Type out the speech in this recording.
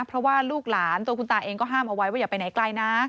เพราะว่าลูกหลานตัวคุณตาเองก็ห้ามเอาไว้ว่าอย่าไปไหนไกลนะ